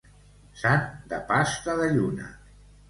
Sant de pasta de lluna.